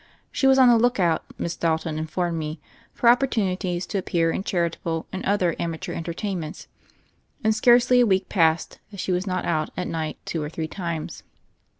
She was on the look out, Miss Dalton informed me, for opportunities to appear in charitable and other amateur entertainments; and scarcely a week passed that she was not out at night two or three times.